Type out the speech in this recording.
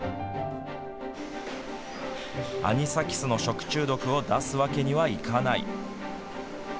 アニサキスの食中毒を出すわけにはいかない。